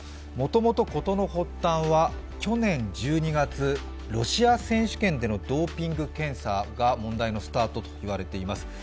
もともと、事の発端は去年１２月ロシア選手権でのドーピング検査が問題のスタートと言われています。